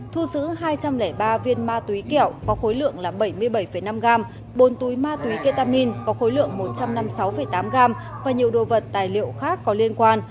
thu giữ hai trăm linh ba viên ma túy kẹo có khối lượng là bảy mươi bảy năm gram bốn túi ma túy ketamin có khối lượng một trăm năm mươi sáu tám gram và nhiều đồ vật tài liệu khác có liên quan